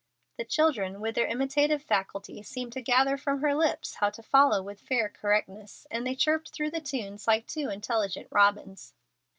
The children, with their imitative faculty, seemed to gather from her lips how to follow with fair correctness, and they chirped through the tunes like two intelligent robins.